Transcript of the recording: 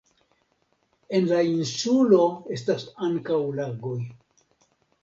En la insulo estas ankaŭ lagoj.